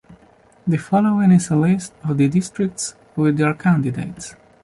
The following is a list of the districts with their candidates.